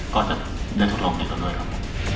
ก็จะได้ทดลองติดกันด้วยครับผม